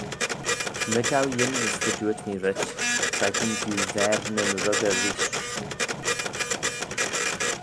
Ny gow yindys dy dooyrt mee rhyt, Shegin diu v'er nyn ruggey reesht.